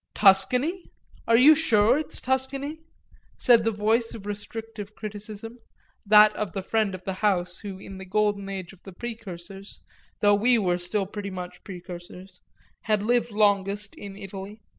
"Tuscany? are you sure it's Tuscany?" said the voice of restrictive criticism, that of the friend of the house who in the golden age of the precursors, though we were still pretty much precursors, had lived longest in Italy.